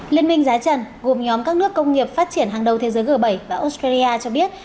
liên minh giá trần gồm nhóm các nước công nghiệp phát triển hàng đầu thế giới g bảy và australia cho biết